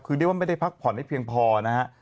คือเรียกว่าไม่ได้พักผ่อนให้เพียงพอนะฮะ